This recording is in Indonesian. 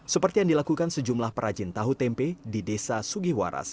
seperti yang dilakukan sejumlah perajin tahu tempe di desa sugihwaras